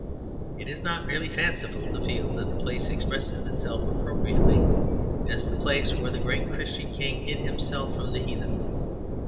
It is not merely fanciful to feel that the place expresses itself appropriately as the place where the great Christian King hid himself from the heathen.